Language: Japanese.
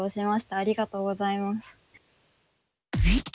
ありがとうございます。